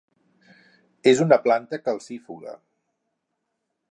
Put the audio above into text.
És una planta calcífuga.